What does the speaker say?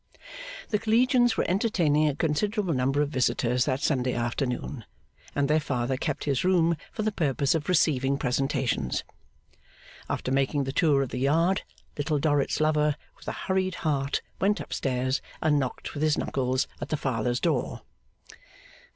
The Collegians were entertaining a considerable number of visitors that Sunday afternoon, and their Father kept his room for the purpose of receiving presentations. After making the tour of the yard, Little Dorrit's lover with a hurried heart went up stairs, and knocked with his knuckles at the Father's door.